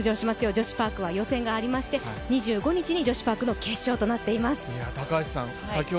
女子パークは予選がありまして２５日は、女子パークの決勝となっています。